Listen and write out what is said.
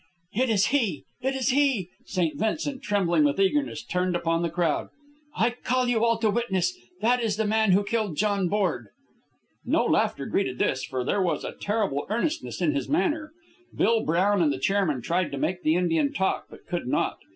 "It is he! It is he!" St. Vincent, trembling with eagerness, turned upon the crowd. "I call you all to witness! That is the man who killed John Borg!" No laughter greeted this, for there was a terrible earnestness in his manner. Bill Brown and the chairman tried to make the Indian talk, but could not.